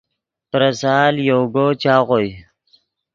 پریسال یوگو چاغوئے